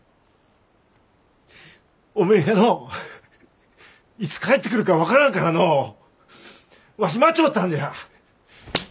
おめえがのういつ帰ってくるか分からんからのうわし待ちょったんじゃ。